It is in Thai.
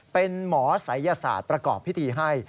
เป็นหมอศัยยศาสตร์ประกอบพิธีให้